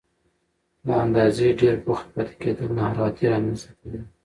له اندازې ډېر بوخت پاتې کېدل ناراحتي رامنځته کوي.